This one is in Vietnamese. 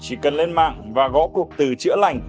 chỉ cần lên mạng và gõ cuộc từ chữa lành